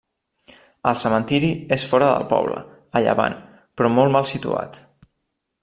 El cementiri és fora del poble, a llevant, però molt mal situat.